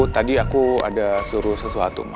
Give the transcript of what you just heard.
tadi aku ada suruh sesuatu